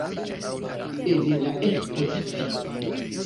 En la ekspozicio.